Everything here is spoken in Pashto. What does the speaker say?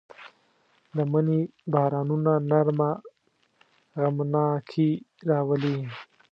د مني بارانونه نرمه غمناکي راولي